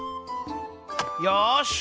よし！